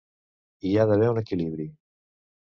Hi ha d’haver un equilibri.